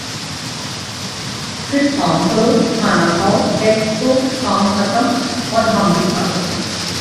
صرف کام کرو کھانا کھاؤ ٹیکس دو کام ختم اور ہم بھی فارخ